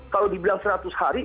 kalau dibilang seratus hari